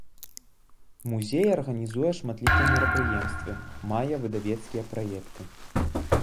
Музей арганізуе шматлікія мерапрыемствы, мае выдавецкія праекты.